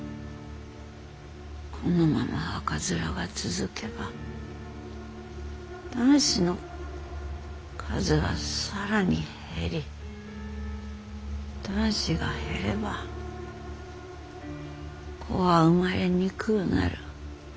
このまま赤面が続けば男子の数が更に減り男子が減れば子は生まれにくうなる。